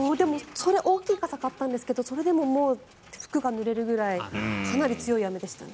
大きい傘を買ったんですけどそれでももう服がぬれるくらいかなり強い雨でしたね。